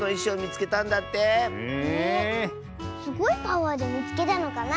すごいパワーでみつけたのかな。